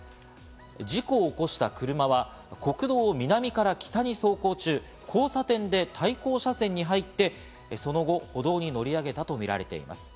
事故を起こした車は国道を南から北に走行中、交差点で対向車線に入ってその後、歩道に乗り上げたとみられています。